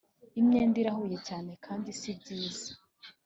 imyenda irahuye cyane kandi si byiza?